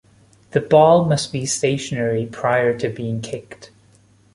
The ball must be stationary prior to being kicked.